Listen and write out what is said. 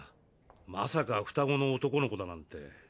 まさか双子の男の子だなんて。